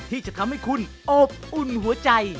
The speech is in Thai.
ที่จะทำให้คุณอบอุ่นหัวใจ